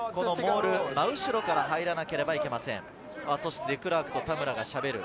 真後ろから入らなければいけません。